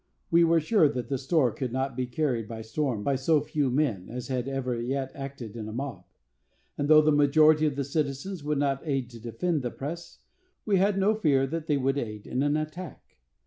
We were sure that the store could not be carried by storm by so few men as had ever yet acted in a mob; and though the majority of the citizens would not aid to defend the press, we had no fear that they would aid in an attack.